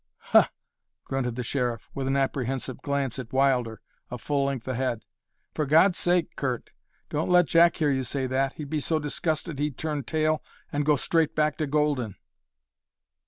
"Huh," grunted the Sheriff, with an apprehensive glance at Wilder, a full length ahead. "For God's sake, Curt, don't let Jack hear you say that! He'd be so disgusted he'd turn tail and go straight back to Golden!"